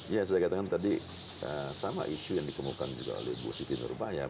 ya saya katakan tadi sama isu yang dikemukan juga oleh bu siti nurbayam